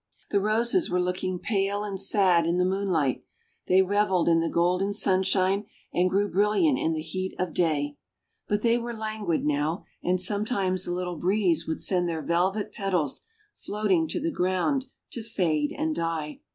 The Roses were looking pale and sad in the moonlight; they reveled in the golden sunshine and grew brilliant in the heat of day. But they were languid now and sometimes a little breeze would send their velvet petals floating to the ground to fade and die.